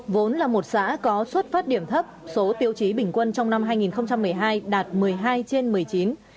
vốn là một xã có xuất phát điểm thấp số tiêu chí bình quân trong năm hai nghìn một mươi hai đạt một mươi hai trên một mươi chín